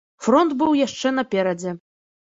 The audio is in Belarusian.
Фронт быў яшчэ наперадзе.